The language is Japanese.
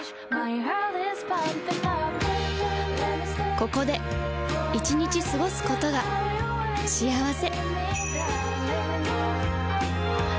ここで１日過ごすことが幸せ